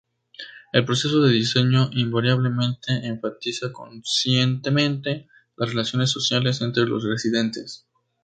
El proceso de diseño invariablemente enfatiza conscientemente las relaciones sociales entre los residentes.